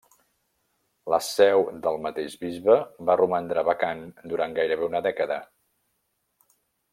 La seu del mateix bisbe va romandre vacant durant gairebé una dècada.